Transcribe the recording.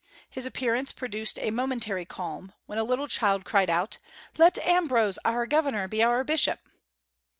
His appearance produced a momentary calm, when a little child cried out, "Let Ambrose our governor be our bishop!"